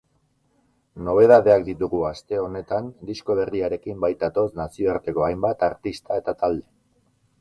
Nobedadeak ditugu aste honetan, disko berriarekin baitatoz nazioarteko hainbat artista eta talde.